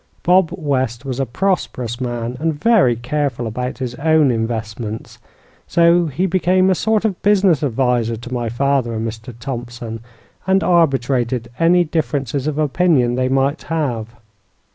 "Bob West was a prosperous man and very careful about his own investments; so he became a sort of business adviser to my father and Mr. Thompson, and arbitrated any differences of opinion they might have.